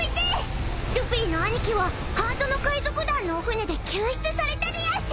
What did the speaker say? ［ルフィの兄貴はハートの海賊団のお船で救出されたでやんす！］